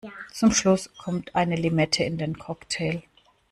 Zum Schluss kommt eine Limette in den Cocktail.